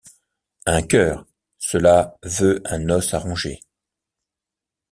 Un cœur, cela veut un os à ronger.